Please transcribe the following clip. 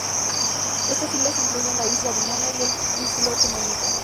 Estas islas incluyen la Isla de Mona y el Islote Monito.